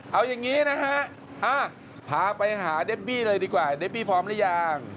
เอาอย่างนี้นะฮะพาไปหาเดบบี้เลยดีกว่าเดบี้พร้อมหรือยัง